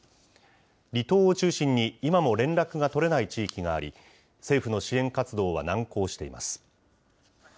離島を中心に、今も連絡が取れない地域があり、政府の支援活動は難航しています。